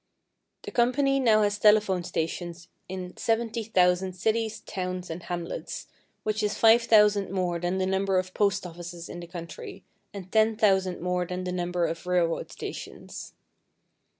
The company now has telephone stations in 70,000 cities, towns, and hamlets, which is 5,000 more than the number of postoffices in the country, and 10,000 more than the number of railroad stations.